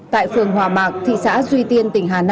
tại phường hòa mạc thị xã duy tiên